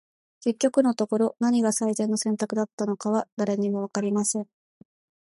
•結局のところ、何が最善の選択だったのかは、誰にも分かりません。